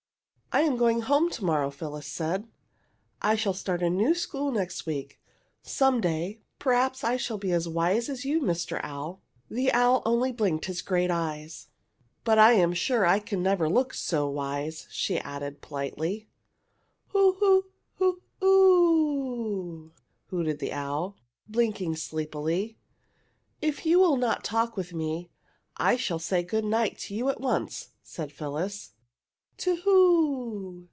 "I am going home to morrow," Phyllis said. "I shall start to school next week. Some day, perhaps, I shall be as wise as you, Mr. Owl." The owl only blinked his great eyes. [Illustration: "The owl only blinked his great eyes"] "But I'm sure I can never look so wise," she added, politely. "Hoo hoo hoo oo!" hooted the owl, blinking sleepily. "If you will not talk with me I shall say good night to you at once!" said Phyllis. "To who?